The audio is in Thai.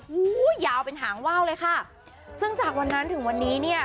โอ้โหยาวเป็นหางว่าวเลยค่ะซึ่งจากวันนั้นถึงวันนี้เนี่ย